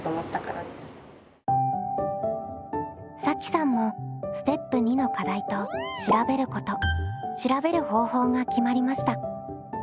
さきさんもステップ２の課題と「調べること」「調べる方法」が決まりました。